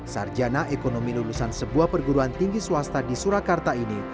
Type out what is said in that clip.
sarjana ekonomi lulusan sebuah perguruan tinggi swasta di surakarta ini